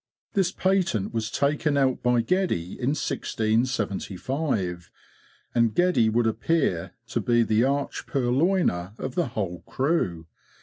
This patent was taken out by Geddie in 1675, and Geddie would appear to be the arch purloiner of the whole crew.